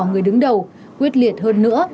người đứng đầu quyết liệt hơn nữa